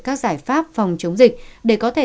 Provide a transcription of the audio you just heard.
các giải pháp phòng chống dịch để có thể